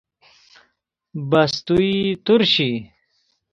بستوی ترشی